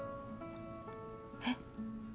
えっ？